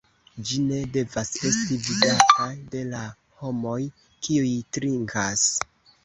Ĝi ne devas esti vidata de la homoj, kiuj trinkas.